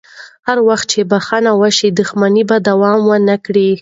هر وخت چې بخښنه وشي، دښمني به دوام ونه کړي.